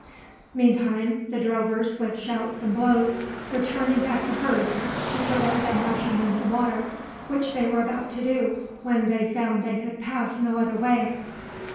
Meantime the drovers with shouts and blows were turning back the herd, to prevent them rushing into the water, which they were about to do when they found they could pass no other way.